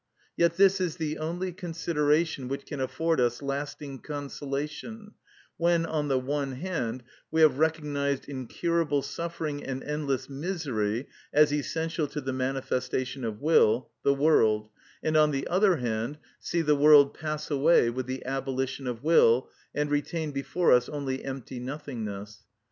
Yet this is the only consideration which can afford us lasting consolation, when, on the one hand, we have recognised incurable suffering and endless misery as essential to the manifestation of will, the world; and, on the other hand, see the world pass away with the abolition of will, and retain before us only empty nothingness.